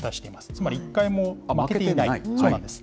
つまり一回も負けていない。